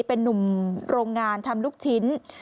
เป็นนุ่มโรงงานทำลูกชิ้น